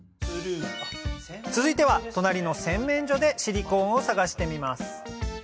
続いては隣の洗面所でシリコーンを探してみます